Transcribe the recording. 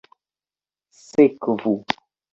sekvu